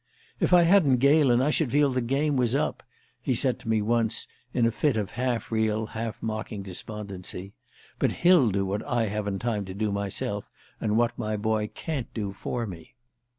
"If I hadn't Galen I should feel the game was up," he said to me once, in a fit of half real, half mocking despondency. "But he'll do what I haven't time to do myself, and what my boy can't do for me."